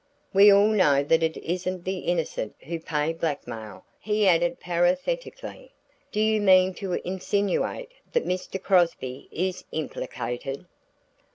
We all know that it isn't the innocent who pay blackmail," he added parenthetically. "Do you mean to insinuate that Mr. Crosby is implicated?"